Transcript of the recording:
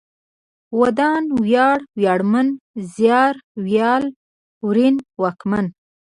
ودان ، وياړ ، وياړمن ، زيار، ويال ، ورين ، واکمن